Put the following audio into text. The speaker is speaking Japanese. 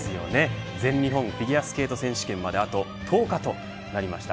全日本フィギュアスケート選手権まであと１０日となりました。